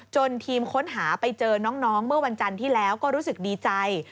ทีมค้นหาไปเจอน้องเมื่อวันจันทร์ที่แล้วก็รู้สึกดีใจ